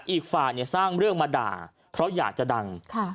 อีกฝ่ายสร้างเรื่องมาด่าเพราะอยากจะดัง